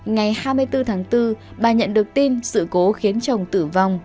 ngày hai mươi bốn tháng bốn bà nhận được tin sự cố khiến chồng tử vong